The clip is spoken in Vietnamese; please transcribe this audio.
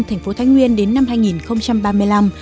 thành phố thái nguyên đến năm hai nghìn ba mươi năm